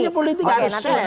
namanya politik harus share